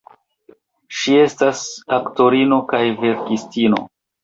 Ŝi estas aktorino kaj verkistino.